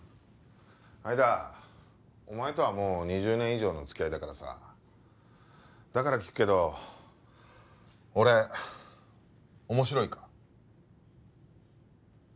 相田お前とはもう２０年以上の付き合いだからさだから聞くけど俺面白いか？